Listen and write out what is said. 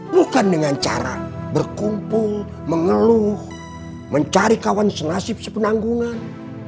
bukan dengan cara berkumpul mengeluh mencari kawan senasib sepenanggungan